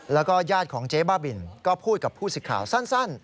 แล้วก็ญาติของเจ๊บ้าบินก็พูดกับผู้สิทธิ์ข่าวสั้น